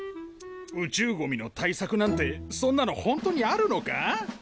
宇宙ゴミの対策なんてそんなの本当にあるのか？